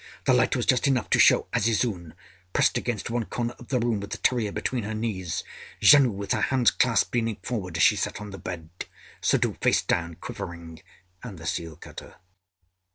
The light was just enough to show Azizun, pressed against one corner of the room with the terrier between her knees; Janoo, with her hands clasped, leaning forward as she sat on the bed; Suddhoo, face down, quivering, and the seal cutter.